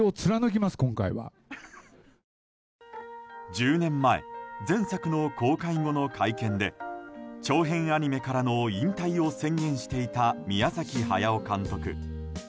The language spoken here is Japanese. １０年前前作の公開後の会見で長編アニメからの引退を宣言していた宮崎駿監督。